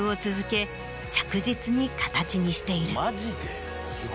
着実に形にしている。